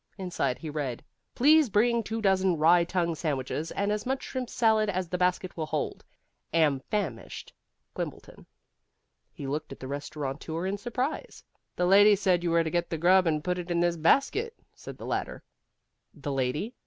Inside he read PLEASE BRING TWO DOZEN RYE TONGUE SANDWICHES AND AS MUCH SHRIMP SALAD AS THE BASKET WILL HOLD. AM FAMISHED. QUIMBLETON. He looked at the restaurateur in surprise. "The lady said you were to get the grub and put it in this basket," said the latter. "The lady?"